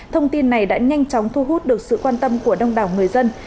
thông tin này đã nhanh chóng thu hút được sự quan tâm của đông đảo người dân